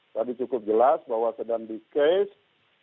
tadi cukup jelas bahwa sedang di case